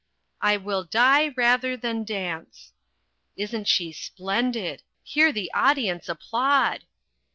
"I WILL DIE RATHER THAN DANCE." Isn't she splendid! Hear the audience applaud!